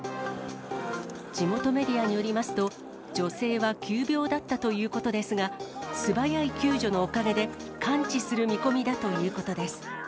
地元メディアによりますと、女性は急病だったということですが、素早い救助のおかげで、完治する見込みだということです。